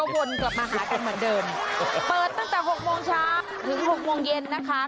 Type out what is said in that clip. กระวนกลับมาหากันมาเดินเปิดตั้งแต่๖โมงช้าถึง๖โมงเย็นนะคะ